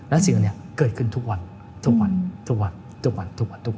แล้วสิ่งนั้นเนี่ยเกิดขึ้นทุกวัน